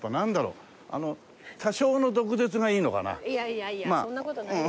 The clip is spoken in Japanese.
いやいやそんな事ないですよ。